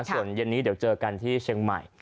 ส่วนเย็นนี้เดี๋ยวเจอกันที่เชียงใหม่